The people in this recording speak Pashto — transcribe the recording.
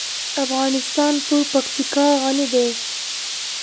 افغانستان په پکتیکا غني دی.